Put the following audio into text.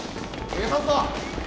警察だ！